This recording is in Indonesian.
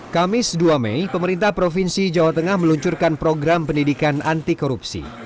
kamis dua mei pemerintah provinsi jawa tengah meluncurkan program pendidikan anti korupsi